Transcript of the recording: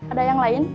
ada yang lain